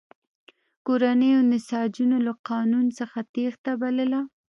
کورنیو نساجانو له قانون څخه تېښته بلله.